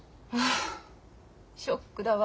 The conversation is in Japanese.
あショックだわ。